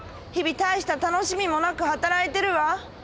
日々大した楽しみもなく働いてるわ。